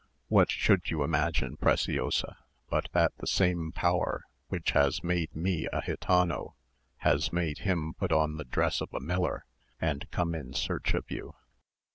"What should you imagine, Preciosa, but that the same power which has made me a gitano, has made him put on the dress of a miller, and come in search of you?